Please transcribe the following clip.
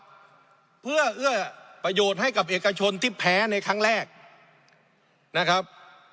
เพื่อเอื้อประโยชน์ให้กับเอกชนที่แพ้ในครั้งแรกนะครับ